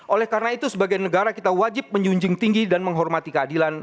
oleh karena itu sebagai negara kita wajib menjunjung tinggi dan menghormati keadilan